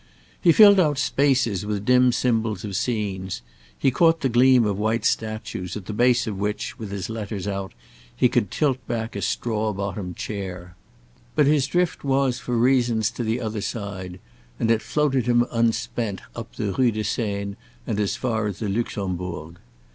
He filled out spaces with dim symbols of scenes; he caught the gleam of white statues at the base of which, with his letters out, he could tilt back a straw bottomed chair. But his drift was, for reasons, to the other side, and it floated him unspent up the Rue de Seine and as far as the Luxembourg.